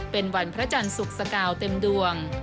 เป็นวันพระจันทร์สุขสกาวเต็มดวง